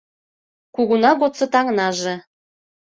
Кугуна годсо таҥнаже